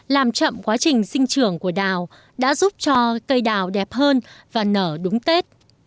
làm chậm quá trình sinh trưởng của đào đã giúp cho cây đào đẹp hơn và nở đúng tết